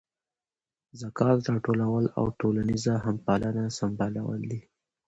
ذکات راټولول او ټولنیزه همپالنه سمبالول دي.